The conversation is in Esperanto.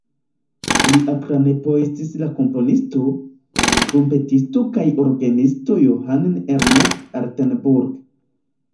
Lia pranepo estis la komponisto, trumpetisto kaj orgenisto Johann Ernst Altenburg.